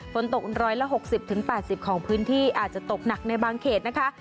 ฝนตก๑๖๐๘๐ของพื้นที่อาจจะตกหนักในบางเขตนะคะ